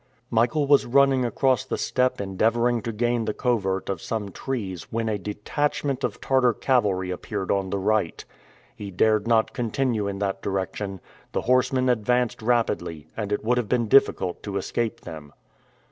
Michael was running across the steppe endeavoring to gain the covert of some trees when a detachment of Tartar cavalry appeared on the right. He dared not continue in that direction. The horsemen advanced rapidly, and it would have been difficult to escape them.